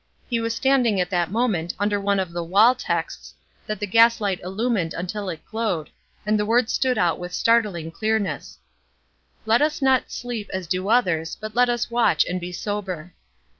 He was standing at that moment under one of the wall texts that the gaslight illumined until it glowed, and the words stood out with startling clearness: "Let us not sleep as do others, but let us watch and be sober."